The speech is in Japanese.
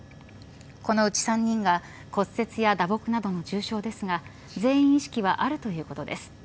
このうち３人が骨折や打撲などの重傷ですが全員意識はあるということです。